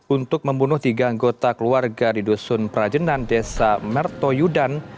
untuk membunuh tiga anggota keluarga di dusun prajenan desa mertoyudan